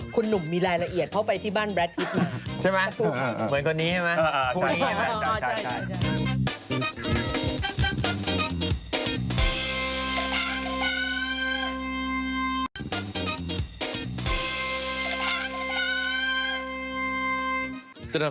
คุณหนุ่มมีรายละเอียดเขาไปที่บ้านแบรทพิษมา